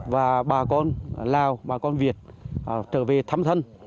và bà con lào bà con việt trở về thăm thân